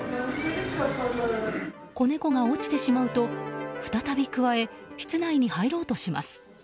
子猫が落ちてしまうと再びくわえ室内に入ろうとします。